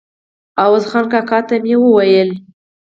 عوض خان کاکا ته مې وویل.